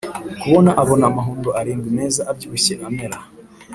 Kubona abona amahundo arindwi meza abyibushye amera